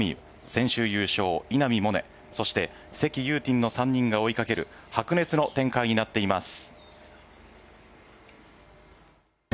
先週優勝、稲見萌寧セキ・ユウティンの３人が追いかける白熱の展開になっています。